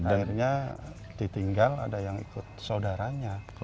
akhirnya ditinggal ada yang ikut saudaranya